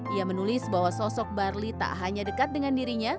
ia menulis bahwa sosok barli tak hanya dekat dengan dirinya